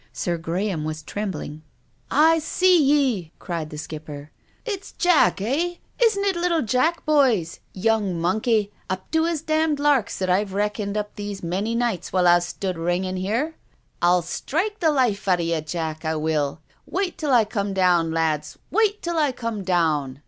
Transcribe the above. Sir Graham was trembling. " I see ye," cried the Skipper. " It's Jack, eh ? Isn't it little Jack, boys ? Young monkey! Up to his damned larks that I've reckoned up these many nights while I've stood ringin* here ! I'll strike the life out of ye. Jack, I will. Wait till I come down, lads, wait till I come down